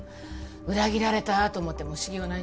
裏切られたと思っても不思議はないんじゃない？